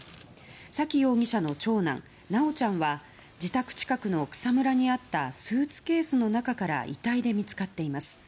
沙喜容疑者の長男・修ちゃんは自宅近くの草むらにあったスーツケースの中から遺体で見つかっています。